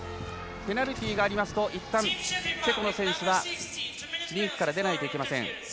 ペナルティーがありますといったん、チェコの選手がリンクから出ないといけません。